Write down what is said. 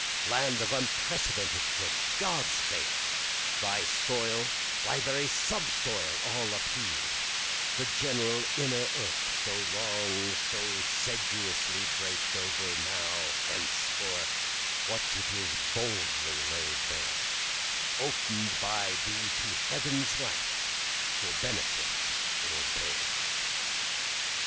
Land of unprecedented faith, God's faith, Thy soil, thy very subsoil, all upheav'd, The general inner earth so long so sedulously draped over, now hence for what it is boldly laid bare, Open'd by thee to heaven's light for benefit or bale.